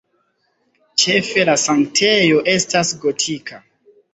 Ĉefe la sanktejo estas gotika.